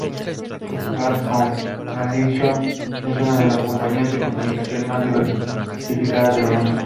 Hearst Corporation es una de las compañías de comunicaciones más diversificadas del mundo.